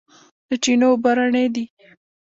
د چینو اوبه رڼې دي